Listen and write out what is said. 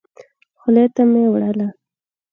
خولې ته مي وړله .